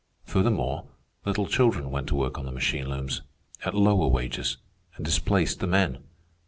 Furthermore, little children went to work on the machine looms, at lower wages, and displaced the men.